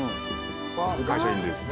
会社員ですね。